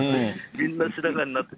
みんな白髪になって。